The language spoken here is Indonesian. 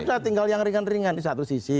sudah tinggal yang ringan ringan di satu sisi